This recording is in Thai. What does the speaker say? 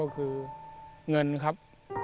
ก็คือเงินครับ